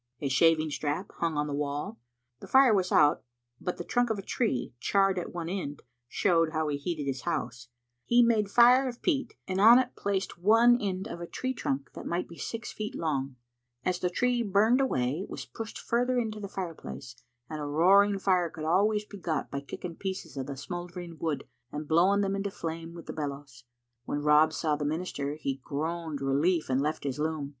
A shaving strap hung on the wall. The fire was out, but the trunk of a tree, charred at one end, showed how he heated his house. He made a fire of peat, and on it placed one end of a tree trunk 3 ■ Digitized by VjOOQ IC H tTbe Xfttle Afnf0ter» that might be six feet long. As the tree burned away it was pushed further into the fireplace, and a roaring fire could always be got by kicking pieces of the smoul dering wood and blowing them into flame with the bel lows. When Rob saw the minister he groaned relief and left his loom.